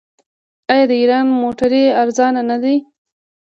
آیا د ایران موټرې ارزانه نه دي؟